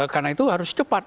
karena itu harus cepat